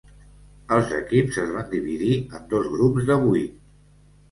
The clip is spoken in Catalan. Els equips es van dividir en dos grups de vuit.